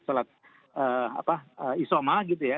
salat isomah gitu ya